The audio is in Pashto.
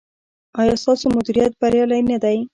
ایا ستاسو مدیریت بریالی نه دی؟